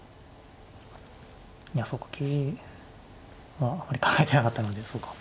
いやそうか桂はあまり考えてなかったのでそうか。